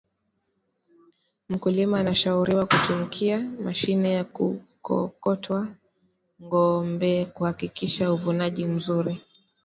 mkulima anashauriwa kutumkia mashine ya kukokotwana ng ombekuhakisha uvunaji mzuri